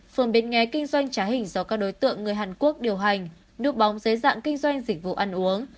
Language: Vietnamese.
phường biến nghé kinh doanh trái hình do các đối tượng người hàn quốc điều hành nước bóng dưới dạng kinh doanh dịch vụ ăn uống